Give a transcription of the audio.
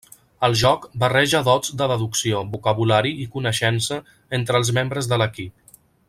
El joc barreja dots de deducció, vocabulari i coneixença entre els membres de l'equip.